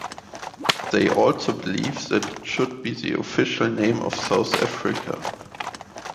They also believe that it should be the official name of South Africa.